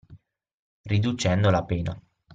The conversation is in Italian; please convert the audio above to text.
Riducendo la pena